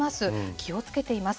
気をつけています。